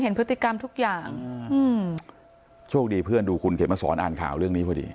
เห็นพฤติกรรมทุกอย่างอืมโชคดีเพื่อนดูคุณเขียนมาสอนอ่านข่าวเรื่องนี้พอดี